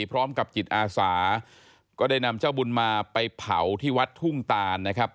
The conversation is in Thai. พร้อมกับจิตอาสาก็ได้นำเจ้าบุญมาไปเผาที่วัดทุ่งตานนะครับ